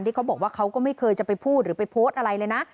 เขาบอกว่าเขาก็ไม่เคยจะไปพูดหรือไปโพสต์อะไรเลยนะ